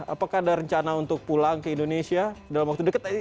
apakah ada rencana untuk pulang ke indonesia dalam waktu dekat